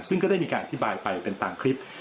ซึ่งก็ได้มีการอธิบายไปเป็นตามคลิป